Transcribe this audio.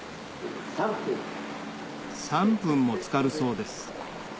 ３分もつかるそうです